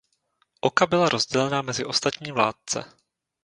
Oka byla rozdělena mezi ostatní vládce.